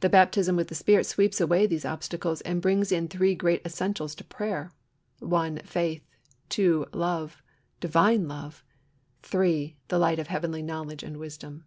The baptism with the Spirit sweeps away these obstacles and brings in the three great essentials to prayer 1, faith; 2, love, Divine love; 3, the light of heavenly knowledge and wisdom.